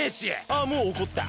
あもうおこった。